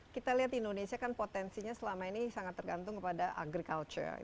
kita lihat indonesia kan potensinya selama ini sangat tergantung kepada agriculture